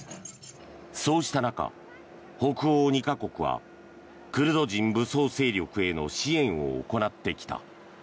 そうした中、北欧２か国はクルド人武装勢力への支援を行ってきた。